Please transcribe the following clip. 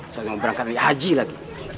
sosial berangkatan di haji lagi